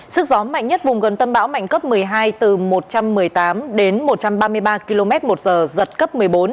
sức gió mạnh nhất vùng gần tâm bão mạnh cấp một mươi hai từ một trăm một mươi tám đến một trăm ba mươi ba km một giờ giật cấp một mươi bốn